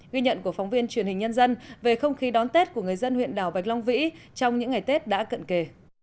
ghi nhận của phóng viên truyền hình nhân dân về không khí đón tết của người dân huyện đảo bạch long vĩ trong những ngày tết đã cận kề